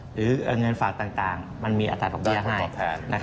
หรือเงินฝากต่างมันมีอัตราดอกเบี้ยให้ตอบแทน